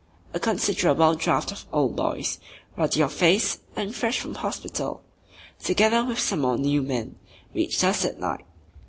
A considerable draft of "old boys," ruddy of face and fresh from hospital, together with some more new men reached us that night.